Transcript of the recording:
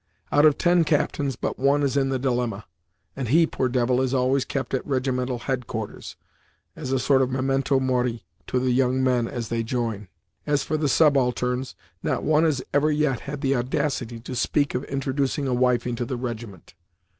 Out of ten captains, but one is in the dilemma, and he, poor devil, is always kept at regimental headquarters, as a sort of memento mori, to the young men as they join. As for the subalterns, not one has ever yet had the audacity to speak of introducing a wife into the regiment.